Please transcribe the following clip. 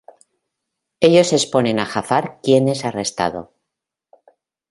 Ellos exponen a Jafar quien es arrestado.